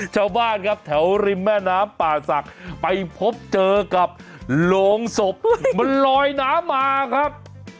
ชาวบ้านครับแถวริมแม่น้ำป่าศักดิ์ไปพบเจอกับโรงศพมันลอยน้ำมาครับ